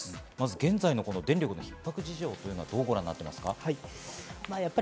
現在の電力のひっ迫事情はどうご覧になっていますか？